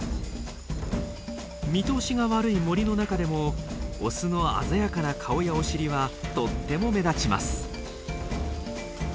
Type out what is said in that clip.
見通しが悪い森の中でもオスの鮮やかな顔やお尻はとっても目立ちます。